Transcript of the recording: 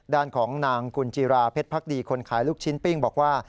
ด้านของนางกุญจิราเพชรพักดีคนขายลูกชิ้นปิ้งบอกว่า